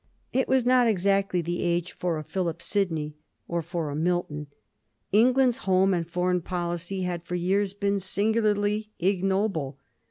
It was not exactly the age for a Philip Sidney, or for a Milton. England's home and foreign policy had for years been singularly ignoble.